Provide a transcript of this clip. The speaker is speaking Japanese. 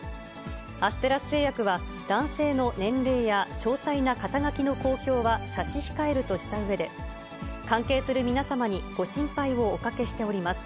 アステラス製薬は、男性の年齢や詳細な肩書の公表は差し控えるとしたうえで、関係する皆様にご心配をおかけしております。